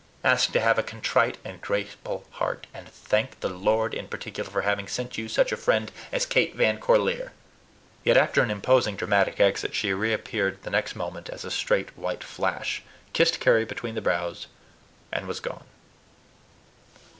Ask to have a contrite and grateful heart, and thank the Lord in particular for having sent you such a friend as Kate Van Corlear." Yet, after an imposing dramatic exit, she reappeared the next moment as a straight white flash, kissed Carry between the brows, and was gone.